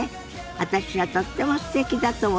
私はとってもすてきだと思ってるのよ。